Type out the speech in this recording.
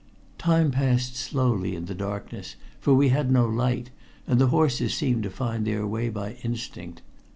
Time passed slowly in the darkness, for we had no light, and the horses seemed to find their way by instinct.